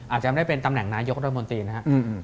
อาจจะไม่ได้เป็นตำแหน่งนายกรัฐมนตรีนะครับ